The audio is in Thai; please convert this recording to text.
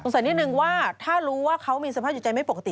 ใส่นิดนึงว่าถ้ารู้ว่าเขามีสภาพจิตใจไม่ปกติ